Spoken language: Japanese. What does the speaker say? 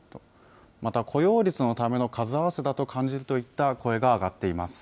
また雇用率のための数合わせだと感じるといった声が上がっています。